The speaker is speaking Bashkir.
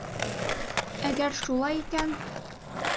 Әгәр шулай икән...